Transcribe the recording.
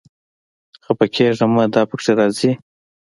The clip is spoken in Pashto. خپه کېږه مه، دا پکې راځي